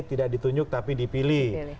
tidak ditunjuk tapi dipilih